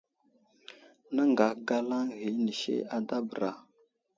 Nəŋgagalaŋ ghi inisi ada bəra .